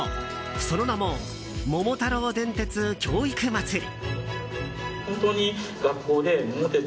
その名も桃太郎電鉄教育祭り！